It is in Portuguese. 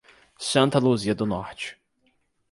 Santa Luzia do Norte